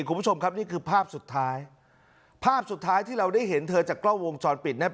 คุณผู้ชมครับนี่คือภาพสุดท้ายภาพสุดท้ายที่เราได้เห็นเธอจากกล้องวงจรปิดเนี่ย